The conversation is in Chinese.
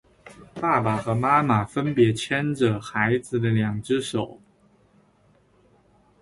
爸爸和妈妈分别牵着孩子的两只手